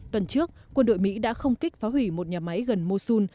tuần trước quân đội mỹ đã không kích phá hủy một nhà máy gần mosul